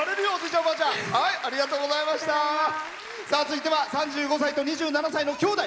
続いては３５歳と２７歳の兄弟。